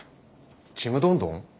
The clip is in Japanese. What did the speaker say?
ちむどんどん？